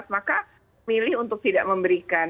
maka milih untuk tidak memberikan